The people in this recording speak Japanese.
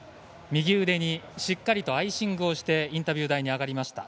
右腕にしっかりとアイシングをしてインタビュー台に上がりました。